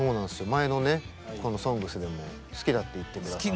前のねこの「ＳＯＮＧＳ」でも好きだって言って下さって。